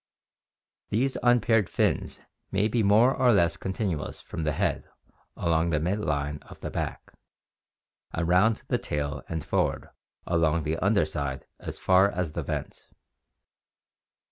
These unpaired fins may be more or less continuous from the head along the mid line of the back, around the tail and forward along the under side as far as the vent.